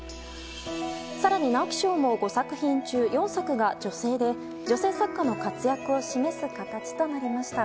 更に、直木賞も５作品中４作が女性で女性作家の活躍を示す形となりました。